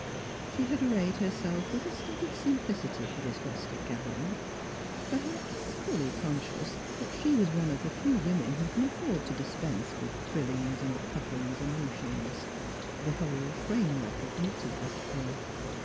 She had arrayed herself with a studied simplicity for this rustic gathering; perhaps fully conscious that she was one of the few women who can afford to dispense with frillings and pufiings and ruchings— the whola framework of beauty, as it were.